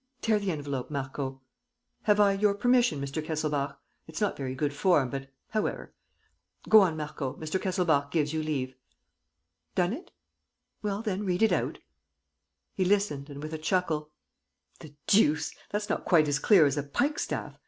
Tear the envelope, Marco. ... Have I your permission, Mr. Kesselbach? It's not very good form, but, however ... Go on, Marco, Mr. Kesselbach gives you leave. ... Done it? ... Well, then, read it out." He listened and, with a chuckle: "The deuce! That's not quite as clear as a pikestaff!